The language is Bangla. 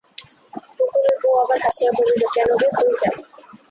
গোকুলের বউ আবার হাসিয়া বলিল, কেন রে, দূর কেন?